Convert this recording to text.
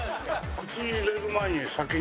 口に入れる前に先に。